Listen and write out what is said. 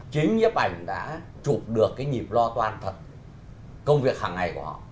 chính nhiếp ảnh đã chụp được cái nhịp lo toan thật công việc hàng ngày của họ